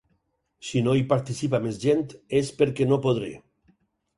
Si no hi participa més gent, és perquè no podré.